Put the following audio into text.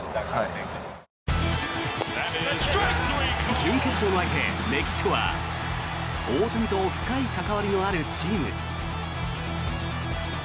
準決勝の相手、メキシコは大谷と深い関わりのあるチーム。